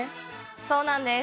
そうなんです